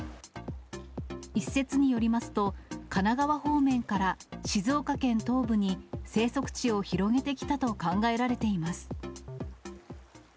一説によりますと、神奈川方面から静岡県東部に生息地を広げてきたと考えられています。